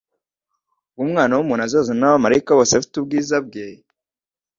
"Ubwo Umwana w'umuntu azazana n'abamaraika bose afite ubwiza bwe,